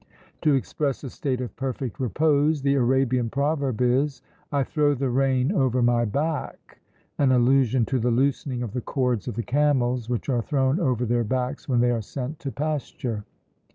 To express a state of perfect repose, the Arabian proverb is, "I throw the rein over my back;" an allusion to the loosening of the cords of the camels, which are thrown over their backs when they are sent to pasture.